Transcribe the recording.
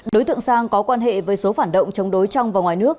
đối tượng sang có quan hệ với số phản động chống đối trong và ngoài nước